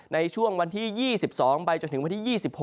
ในช่วงวันที่๒๒ไปจนถึงวันที่๒๖